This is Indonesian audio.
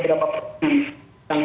itu buat kaitannya